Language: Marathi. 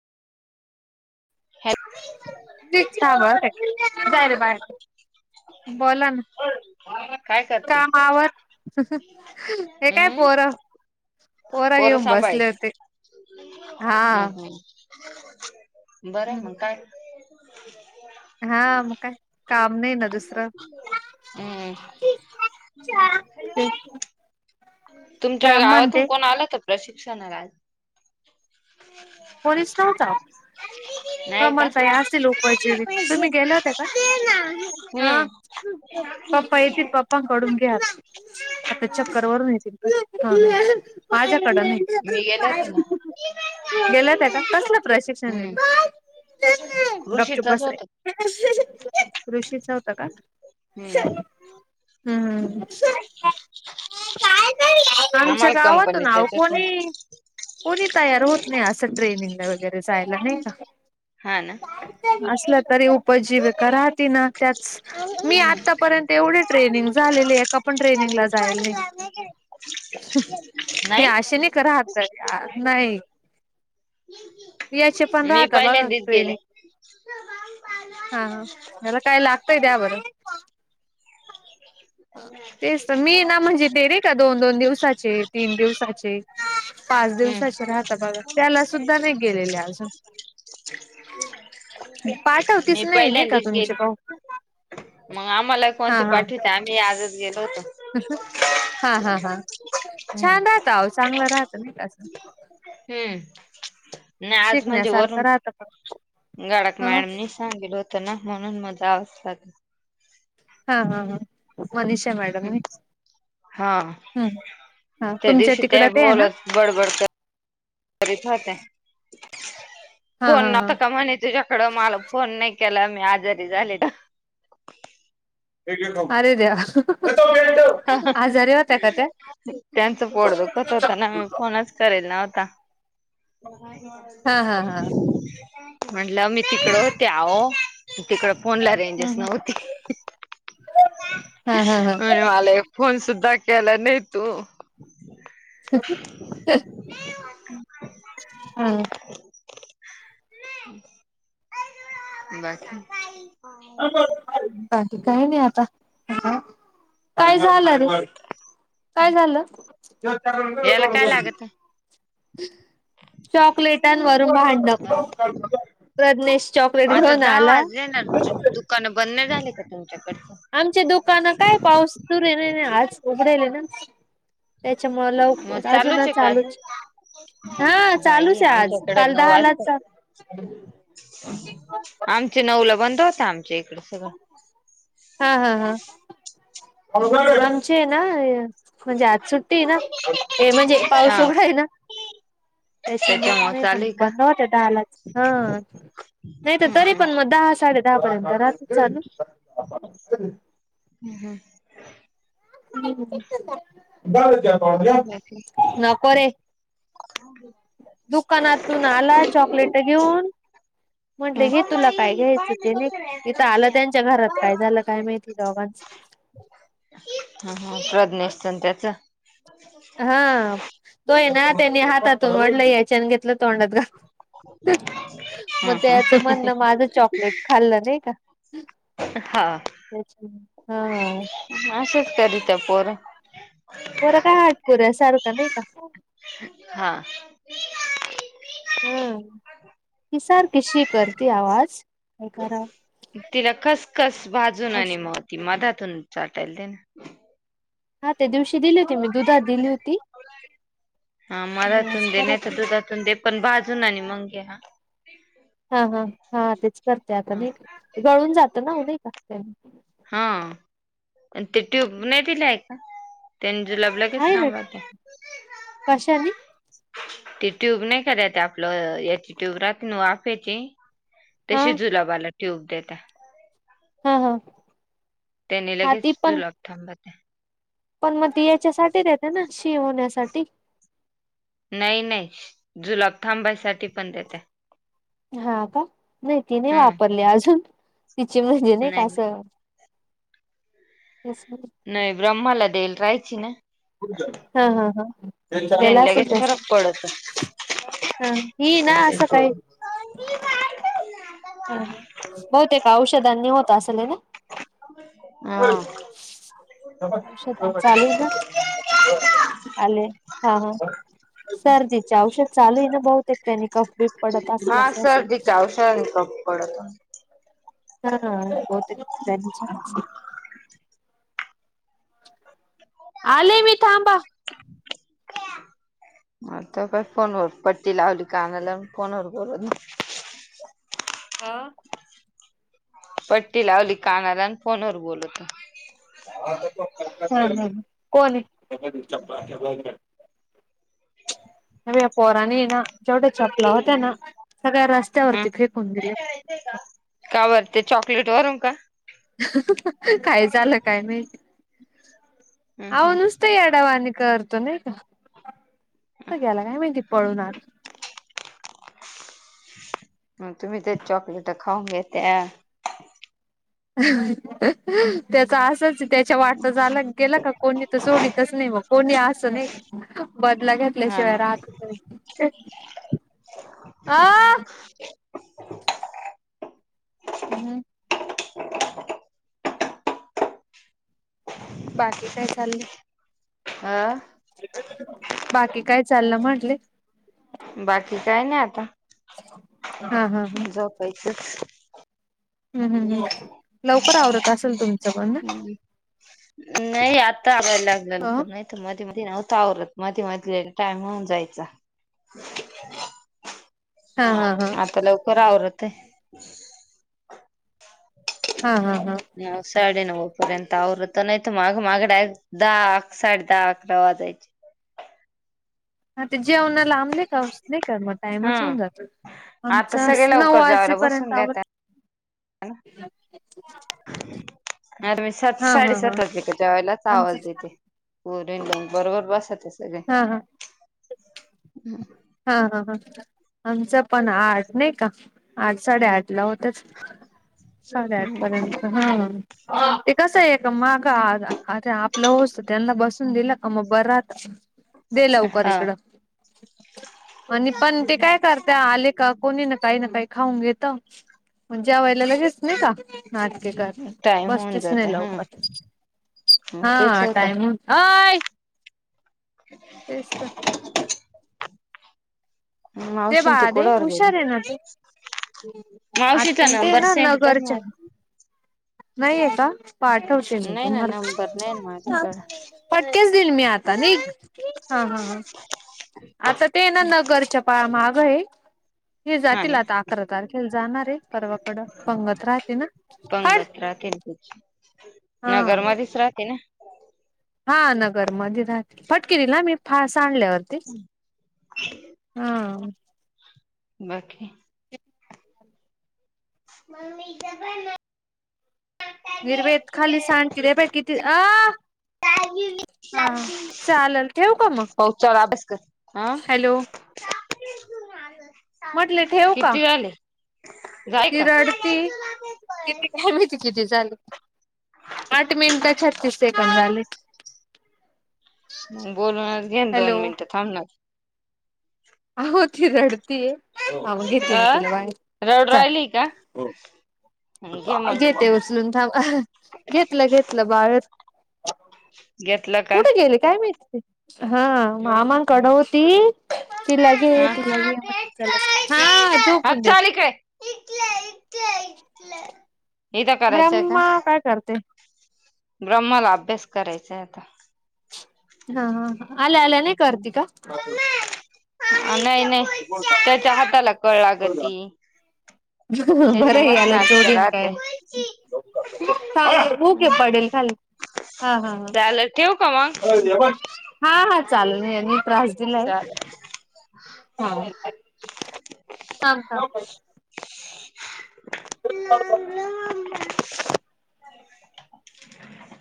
हॅ जाय रे बाहेर. बोला ना काय करते कामावर. हे काय हम्म पोर. पोरा पोरं घेऊन बसले सांभाळायची होते हा. हम्म हम्म बरं मग काय? हा मग काय काम नाही ना दुस [inaudible] हम्म तुमच्या गावातून कोण आलात का प्रशिक्षणाला? पोलीस नव्हता नाही का कमल ताई आहे असतील वो [unintelligible] तुम्ही गेल्या होत का? हम्म पपा येतील पापांकडून घ्या आ. आता चक्कर वरून येतील माझ्याकड नाही. मी गेले होते [inaudible] गेल्या होत्या का कसलं प्रशिक्षण हम्म दिलं गपचुप कृषीचच बस रे. होत ऋषीच होत काल. हम्म हम्म. काय आमच्या आम्हाला गावातून आओ कंपनीच्याच होतं. कोणी. कोणी तयार होत नाही असं ट्रेनिंगला वगैरे जायला नाही का? हा ना. असल्या तरी उपजीवका राहती ना त्याच. मी हम्म आतापर्यंत एवढे ट्रेनिंग झालेले एका पण ट्रेनिंगला जायल नाही. हे आशे नाही राहात नाही का? [inaudible] यायचे पण मी राहता बघा पहिल्यांदीच ट्रेने गेले [inaudible] हा. ह. एला काय लागतय दया बरं. तेच तर मी ना म्हणजे ते रे का दोन दोन दिवसाचे तीन दिवसाचे. पाच हम्म दिवसाचे राहता बघा, त्याला सुद्धा नाही गेलेले अजून. [inaudible] पाठव तीच मी नाही पहिल्यांदीच गेली [unintelligible] मग आम्हाला ही हा कोणती हा पाठविता? हा हा हा. छान आहे. हा हम्म ताव चांगलं राहतं नाही का हुम. नाय आज म्हणजे शिकण्यासारखं वरून राहत पण गडक ह मॅडमनी. सांगशील होत ना म्हणून मग जावंच लागलं. हा हा हा मनिषा मॅडम होय. हा हुंम हा त्या तुमचं दिवशी तिकडं त्या ते आहे ना? बोलत बडबड करी-करीत होते. हा फोन हा हा नव्हता का म्हणे तुझ्याकडं? मला फोन नाही केला मी आजारी झाले ना. अरे देवा. [unintelligible] हा हा आजारी होत्या का त्या त्यांचं पोट दुखत होतं ना मी फोनच करेल नव्हता. हा हा हा म्हणलं मी तिकडं होते आहो. तिकड फोन ला हम्म रेंजस हम्म नव्हती. हा हा हा आलाय फोन सुद्धा केला नाय तू. ह हा. [unintelligible] अ [unintelligible] बाकी बाकी काय नाय आता काय झालं रे? काय झाल? याला काय लागत चॉकलेटांवरन आहे? भांडण. प्रज्ञेश चॉकलेट घेऊन आला. कान बंद नाय झाली का तुमच्याकडचं? आमची दुकानं काय पाऊस सुरू [unintelligible] आज उघडेले ना. त्याच्यामुळे लव मग अजून आहे का अजून? चालूच हा चालू बाई चे आज आमच्याकडे काल दहाला चालू आमची नऊला बंद होतात आमच्या इकडे सगळं. हा हा हा. आमची ए नाय म्हणजे आज सुट्टी हे ना म्हणजे आज पाऊस हा उघडायला. त्याच्यामुळे नाही तर चालू आहे मग [unintelligible] का? बवत डालाच हा. नाही तर हम्म तरी हम्म. पण मग दहा साडे दहा पर्यंत राहत चालू. हम हम्््हुम [unintelligible] नको रे. हो गे दुकानातून आला चॉकलेट घेऊन. म्हटले घे तुला काय घ्यायचं ते ने. इथं आलं त्यांच्या घरात काय झालं हम्म. काय माहिती दोघांच? हा हा प्रज्ञेश आणि त्याच. तोय ना त्यांनी हातातून वाढलं याच्यान घेतलं तोंडात घातलं [unintelligible] मग त्या हा यायचं म्हणणं माझं चॉकलेट खाल्लं नाही का? हा. हा.. असंच करत्य पोरं. [unintelligible] काय हटकोऱ्या सारखं नाही का? हा. हा ही सारखं शी करते आवाज काय कराव तिला खसखस भाजून आणि मग. ती मधातून चाटायला दे ना. हा ते दिवशी दिली होती मी दुधात दिली होती आज परत ते पण बाजून आणि मग घ्या. हा हा हा तेच करते आता मी गळून जात नाही का हा आणि ते ट्यूब नाही दिले आहे का, त्यांनी जुलाब लगेच थांब ते. कशानी? ती ट्यूब नाही का त्यात आपलं, याची ट्यूब राहते ना वाफेची. हा तशी जुलाबाला ट्यूब देता. हा हा.. त्यानी हा लगेच ती पण जुलाब थांबते. पण मग ती हेच्यासाठीच देता ना शी होण्यासाठी. नाही नाही जुलाब थांबायसाठी पण देते. हा का नाही तिने हम्म वापरली अजून तिची म्हणजे वहि नाही का असं [unintelligible] नाही ब्रह्माला देईल राहायची ना. हा हा हा.. केला त्याने लगेच असलं असं फरक पडतो ह.. हिना ते सकाळी. ट्यूब. ह बहुतेक औषधांनी होत असल ना? हा चालू आहे ना. आले हा हा. सर्दीचे औषध चालू आहे ना, बहुतेक त्यांनी कफ बीफ पडत असल असं असेल. त्यांनी कप पडत असे [unintelligible] हा बहुतेक [unintelligible] [inaudible] [unintelligible] आले मी थांबा. आता प फोनवर पट्टी लावली, कानाला फोनवर बोलत. आ.. पट्टी लावली कानाला अन, फोनवर बोलत. ह.. ह.. कोण ये. अबे या पोराने ना जेवढ्या चपलं होत्या ना, सगळ्या हम्म रस्त्यावरती फेकून दिले. का वर ते चॉकलेट वरून का? काय झालं, काय माहित. हम्म आहो हम्म नुस्त येडवाणी करतो नाही का, कुठे गेला काय माहिती. पळून आलं. तुम्ही ते चॉकलेट खाऊन घ्येत्या. त्याच असच त्याच्या वाटत झालं गेलं का कोणी तर सोडीतच नाही मग, कोणी असं नाही. बदला हा घेतल्याशिवाय ना राहत नाही अ हम्म.. [inaudible] बाकी काय चाललं. आ.. बाकी काय चाललं म्हटले. बाकी काय नाही आता. हा हा हा. पैसेस [unintelligible] हम् हम् लवकर आवरत असेल तुम हम्म. नाही आता आवरायला लागल्या हा नंतर नाही तर मध्ये मध्ये नव्हत्या आवरत. मध्ये मध्ये टाईम होऊन जायचा. हा हा हा. आता लवकर आवरते. हा हा हा. या साडेनऊ पर्यंत आवरत नाही, तर माग माग डाय दहा अकरा साडे दहा अकरा वाजायचे. हा ते जेवण लांबले का नाही का मग. हा टाइमच होऊन जातो. आता सगळे आमच नऊ लवकर जेवायला बसून वाजेपर्यंत घेता आवरत. [inaudible] आता मी सात हा हा हा साडेसात वाजले की, जेवायला आमच आवाज देते. हो रे बरोबर बसतं सगळे. हा हा हा हा हा. आमचं पण आठ नाही का, आठ साडेआठ ला होतंच. साडेआठ पर्यंत हं.. ते कसं आहे का माग आ रे आपलं होवूस त्यांना बसून दिलं का मग बर. दे लवकर हा इकडं. आणि पण ते काय करता. आले का कोणी ना काही ना काही खाऊन घेत. मग जेवायला लगेच नाय का नाटके करते. टाइम होऊन बस्तीच जात नाही लवकर हम्म तेच हा होत टाईम. अय.. तेच तर. दे मावशीन ते बाळा देे. कुडावर गेले हुशार आहे ना तू? मावशीचा आत्या ना ते नंबर सेंड कर नगरच्या मला नाहीये का पाठवते मी नाही ना नंबर नाही ना तुम्हांला. माझ्याकडं फटकेच देईल मी आता निघ. हा हा. आता ते ना नगरच्या पहा माग आहे. हे हा जातील ना आता अकरा तारखेला जाणार आहे. परवाकडं पंगत राहते ना. हड पंगत राहतील तुझी. हा नगरमध्येच राहते ना? हा नगर मध्ये राहते. फटके देईल न ह मी सांडल्या वरती. हा. बाकी? मग मी इथ पण. निर्वेद खाली सांडचील हे बघ किती. हा चालेल ठेवू का मग हो चल अभ्यास कर. आ? हॅलो म्हंटले ठेवू का? किती झाले जाय ती का रडती किती काय माहित. किती झाले. आठ मिनिट छत्तीस सेकंद झाले. मग बोलूनच घेन हॅलो दोन मिनिटं थांब ना ती. आहो ती रडतीये [unintelligible] घेते मी अ तिला बाय, रडू चाल. राहिली का घे मग घेते उचलून थांब, घेतलं घेतलं बाळ. घेतलं का कुठे गेले काय माहिती ते, हा. मामानकडं होती. तिला घे हा तिला घे म्हटलं. चला हा झोपून देत. एक लै [unintelligible] करायचंय का ब्रह्मा काय करते. ब्रह्माला अभ्यास करायचाय आता. हा हा ह आल्या आल्या नाही करती का? नाय नाय, त्याच्या हाताला कळ लागती. त्याची बरं मस्त ह्याला नाटकं जोडीन काय. राहते [unintelligible] पडेल खाली हा हा हा. देऊ का मग? हा हा चालेल यांनी त्रास दिलाय. चालेल हा का? थांब थांब. [inaudible]